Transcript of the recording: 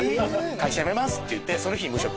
「会社辞めます」って言って。